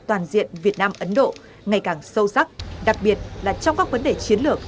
toàn diện việt nam ấn độ ngày càng sâu sắc đặc biệt là trong các vấn đề chiến lược